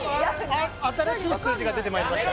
新しい数字が出てきました